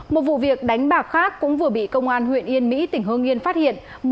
một vụ việc đánh bạc khác cũng vừa bị công an huyện yên mỹ tỉnh hương yên phát hiện